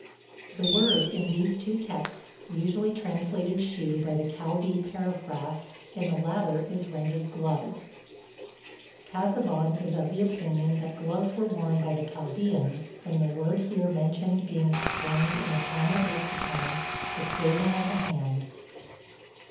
The word in these two texts, usually translated shoe by the Chaldee paraphrast, in the latter is rendered glove. Casaubon is of opinion that gloves were worn by the Chaldeans, from the word here mentioned being explained in the Talmud Lexicon, the clothing of the hand.